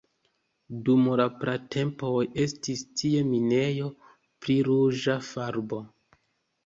Dum la pratempoj estis tie minejo pri ruĝa farbo.